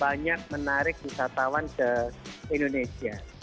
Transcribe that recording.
banyak juga yang menarik misalnya juga untuk wisatawan ke indonesia